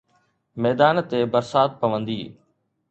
ميدان تي برسات پوندي